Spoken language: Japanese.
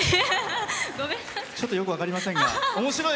ちょっとよく分かりませんがおもしろい。